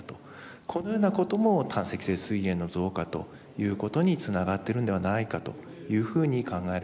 このようなことも胆石性すい炎の増加ということにつながってるんではないかというふうに考えられております。